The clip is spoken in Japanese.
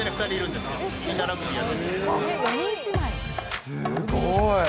すごい。